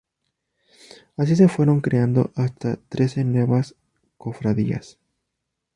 Así se fueron creando hasta trece nuevas cofradías.